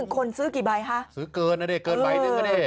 ๑คนซื้อกี่ใบฮะซื้อเกินไงเกินไบนึงมันได้